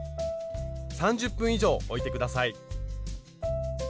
３０分以上おいて下さい。